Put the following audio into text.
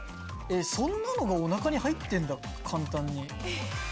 そんなのがおなかに入ってるんだ簡単に。